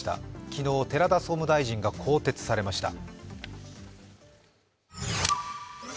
昨日、寺田総務大臣が更迭されました。